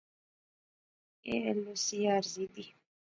ایہہ ایل او سی عارضی دی